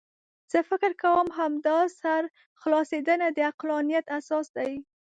زه فکر کوم همدا سرخلاصېدنه د عقلانیت اساس دی.